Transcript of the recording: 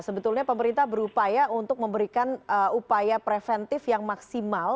sebetulnya pemerintah berupaya untuk memberikan upaya preventif yang maksimal